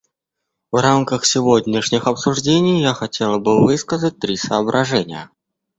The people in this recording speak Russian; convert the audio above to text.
В рамках сегодняшних обсуждений я хотела бы высказать три соображения.